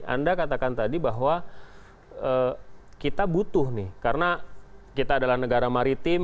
anda katakan tadi bahwa kita butuh nih karena kita adalah negara maritim